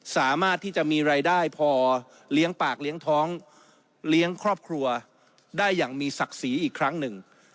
สามารถที่จะมีรายได้พอเลี้ยงปากเลี้ยงท้องเลี้ยงครอบครัวได้อย่างมีศักดิ์ศรีอีกครั้งหนึ่ง